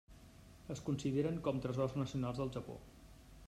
Es consideren com Tresors Nacionals del Japó.